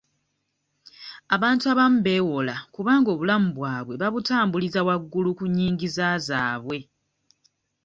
Abantu abamu beewola kubanga obulamu bwabwe babutambuliza wagulu ku nnyingiza zaabwe.